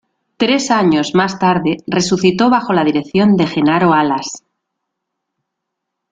Tres años más tarde resucitó bajo la dirección de Genaro Alas.